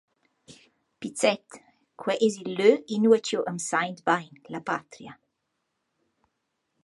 Pizzet, quai es il lö ingio ch’eu am saint bain, la patria.